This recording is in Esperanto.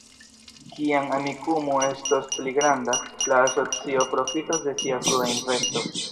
Kiam Amikumu estos pli granda, la asocio profitos de sia frua investo.